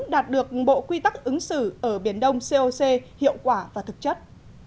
công ước liên hợp quốc đạt được bộ quy tắc ứng xử ở biển đông coc hiệu quả và thực chất